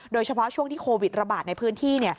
โดยเฉพาะช่วงที่โควิดระบาดในพื้นที่